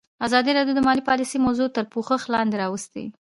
ازادي راډیو د مالي پالیسي موضوع تر پوښښ لاندې راوستې.